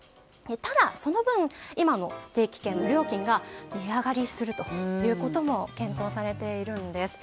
ただその分、今の定期券が値上がりするということも検討されているんです。